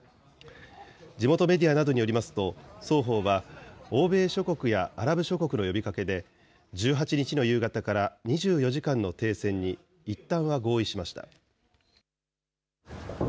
地元メディアなどによりますと、双方は、欧米諸国やアラブ諸国の呼びかけで、１８日の夕方から２４時間の停戦にいったんは合意しました。